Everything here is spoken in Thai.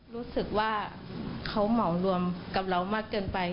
รู้สึกว่าเขาเหมารวมกับเรามากเกินไป